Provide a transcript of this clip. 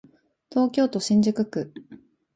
東京都新宿区